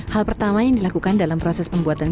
hal pertama yang dilakukan dalam proses pembuatan gula aren